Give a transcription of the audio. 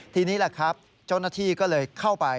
ทีนี้แหละครับเจ้าหน้าที่ก็เลยเข้าไป